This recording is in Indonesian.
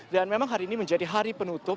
dan memang hari ini menjadi hari penutup